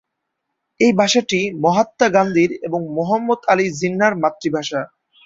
এই ভাষাটি মহাত্মা গান্ধীর এবং মুহাম্মদ আলী জিন্নাহর মাতৃভাষা।